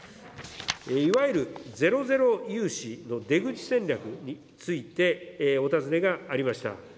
いわゆるゼロゼロ融資の出口戦略について、お尋ねがありました。